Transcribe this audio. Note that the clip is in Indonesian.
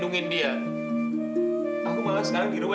nggak ada dewi